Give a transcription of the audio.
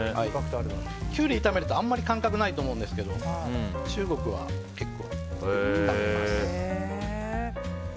キュウリ炒めるのあんまり感覚ないと思うんですが中国は結構炒めます。